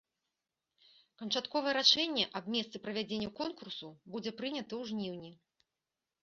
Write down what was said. Канчатковае рашэнне аб месцы правядзення конкурсу будзе прынята ў жніўні.